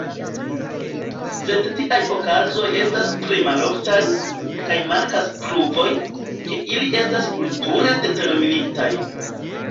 Sed tiaj okazoj estas tre maloftaj, kaj mankas pruvoj, ke ili estas kulture determinitaj.